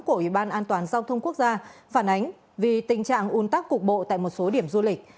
của ủy ban an toàn giao thông quốc gia phản ánh vì tình trạng un tắc cục bộ tại một số điểm du lịch